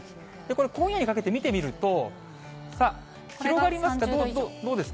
これ、今夜にかけて見てみると、さあ、広がりますと、どうでしょう。